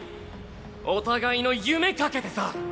お互いの夢懸けてさ！